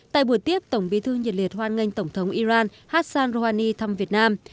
tại buổi tiếp tổng bí thư nhiệt liệt hoan nghênh tổng thống iran hassan rouhani thăm việt nam